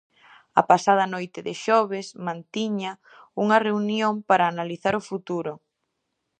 A pasada noite de xoves mantiña unha reunión para analizar o futuro.